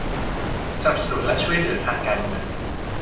สนับสนุนและช่วยเหลือทางการเงิน